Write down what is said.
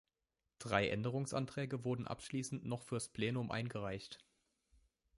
Drei Änderungsanträge wurden abschließend noch fürs Plenum eingereicht.